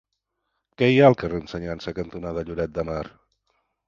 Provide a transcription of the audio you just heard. Què hi ha al carrer Ensenyança cantonada Lloret de Mar?